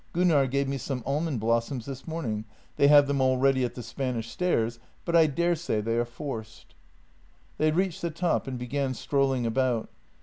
Gunnar gave me some almond blossoms this morning; they have them already at the Spanish stairs, but I daresay they are forced." They reached the top and began strolling about.